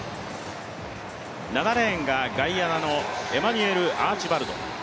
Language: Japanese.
７レーンがガイアナのエマニュエル・アーチバルド。